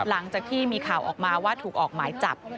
หลังจากที่มีข่าวออกมาว่าถูกออกหมายจับ